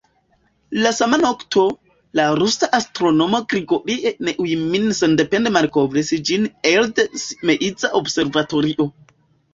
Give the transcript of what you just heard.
La sama nokto, la rusa astronomo Grigorij Neujmin sendepende malkovris ĝin elde Simeiza observatorio.